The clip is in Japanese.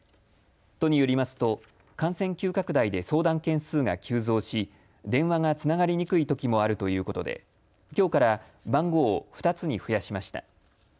都によりますと感染急拡大で相談件数が急増し電話がつながりにくいときもあるということできょうから番号を２つに増やしました。